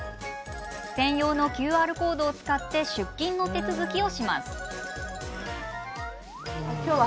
専用のＱＲコードを使って出勤の手続きをします。